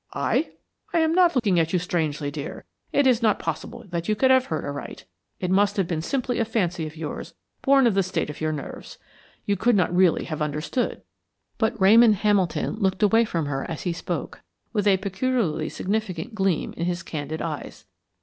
"I? I am not looking at you strangely, dear; it is not possible that you could have heard aright. It must have been simply a fancy of yours, born of the state of your nerves. You could not really have understood." But Ramon Hamilton looked away from her as he spoke, with a peculiarly significant gleam in his candid eyes.